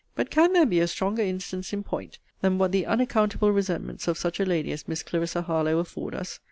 But can there be a stronger instance in point than what the unaccountable resentments of such a lady as Miss Clarissa Harlowe afford us?